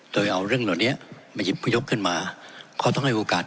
โดยเอาเรื่องเหล่านี้มาหยิบยกขึ้นมาเขาต้องให้โอกาส